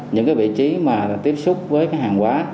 những vị trí tiếp xúc với hàng hóa